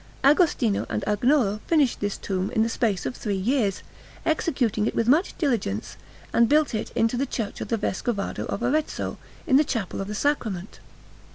Agostino and Agnolo finished this tomb in the space of three years, executing it with much diligence, and built it into the Church of the Vescovado of Arezzo, in the Chapel of the Sacrament.